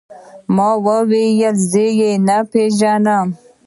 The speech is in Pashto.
ما وويل زه يې نه پېژنم.